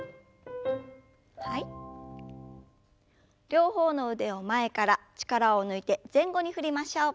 両方の腕を前から力を抜いて前後に振りましょう。